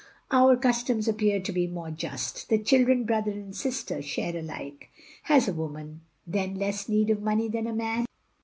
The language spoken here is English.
Our customs appear to me more just. The children, brother and sister, share alike. Has a woman then less need of money than a man?